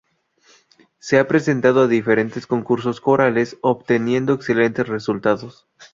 Se ha presentado a diferentes concursos corales, obteniendo excelentes resultados.